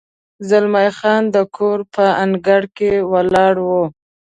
زلمی خان او د کور په انګړ کې ولاړ و.